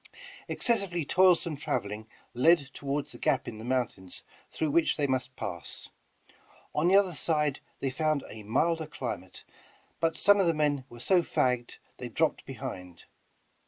Excessively toilsome traveling led toward the gap in the mountains through which they must pass. On the other side they found a milder climate, but some of the men were so fagged, they dropped behind.